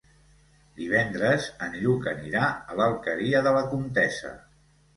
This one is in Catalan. Divendres en Lluc anirà a l'Alqueria de la Comtessa.